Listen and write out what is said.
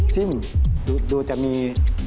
ซึ่งดูจะมี